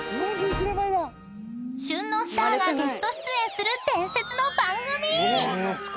［旬のスターがゲスト出演する伝説の番組］